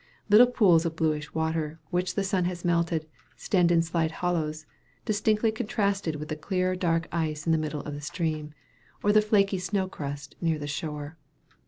Little pools of bluish water, which the sun has melted, stand in slight hollows, distinctly contrasted with the clear dark ice in the middle of the stream, or the flaky snow crust near the shore.